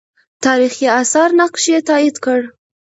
تاریخي آثار نقش یې تایید کړ.